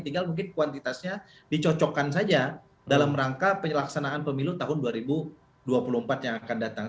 tinggal mungkin kuantitasnya dicocokkan saja dalam rangka penyelaksanaan pemilu tahun dua ribu dua puluh empat yang akan datang